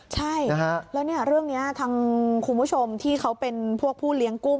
ใช่แล้วเนี่ยเรื่องนี้ทางคุณผู้ชมที่เขาเป็นพวกผู้เลี้ยงกุ้ง